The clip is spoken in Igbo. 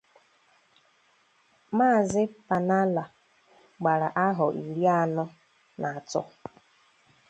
Maazị Pannalal gbàrà ahọ iri anọ na atọ